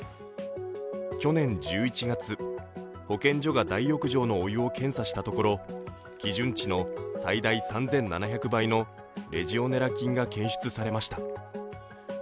去年１１月、保健所が大浴場のお湯を検査したところ基準値の最大３７００倍のレジオネラ菌が検出されました。